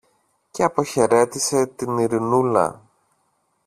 και αποχαιρέτησε την Ειρηνούλα.